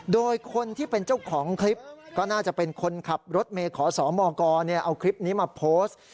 โดยคนที่เป็นเจ้าของคลิปก็น่าจะเป็นคนขับรถเมย์ขอสมกเอาคลิปนี้มาโพสต์